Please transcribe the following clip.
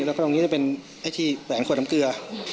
แล้วก็ตรงนี้จะเป็นไอ้ที่แหวนขวดน้ำเกลือ